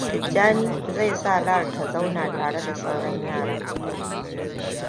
Tijjani zai sa Lare ta zauna tare da sauran yaran.